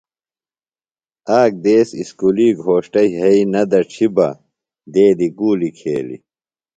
آک دیس اُسکُلی گھوݜٹہ یھئی نہ دڇھیۡ بہ دیدیۡ گُولیۡ کھییلیۡ۔